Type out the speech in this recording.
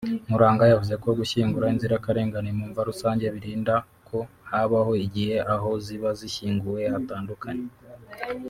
Nkuranga yavuze ko gushyingura inzirakarengane mu mva rusange birinda ko habaho igihe aho ziba zishyinguwe hatandukanye